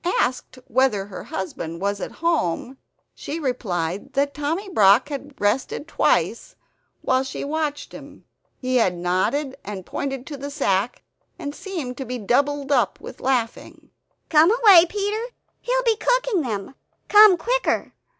Asked whether her husband was at home she replied that Tommy Brock had rested twice while she watched him. He had nodded, and pointed to the sack, and seemed doubled up with laughing. "Come away, Peter; he will be cooking them; come quicker!"